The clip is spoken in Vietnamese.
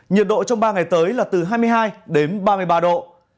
nhiệt độ trong ba ngày tới là từ hai mươi hai đến ba mươi ba độ